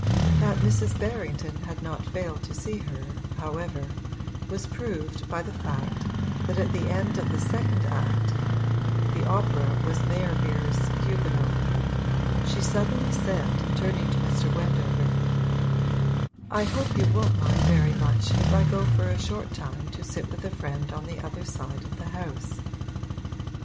That Mrs. Berrington had not failed to see her, however, was proved by the fact that at the end of the second act (the opera was Meyerbeer's Huguenots) she suddenly said, turning to Mr. Wendover: 'I hope you won't mind very much if I go for a short time to sit with a friend on the other side of the house.'